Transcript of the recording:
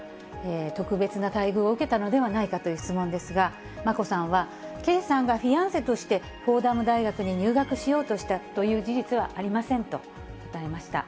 特別な待遇を受けたのではないかという質問ですが、眞子さんは、圭さんがフィアンセとしてフォーダム大学に入学しようとしたという事実はありませんと答えました。